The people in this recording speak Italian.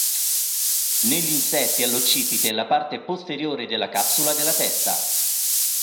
Negli insetti, all'occipite è la parte posteriore della capsula della testa.